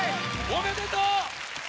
おめでとう！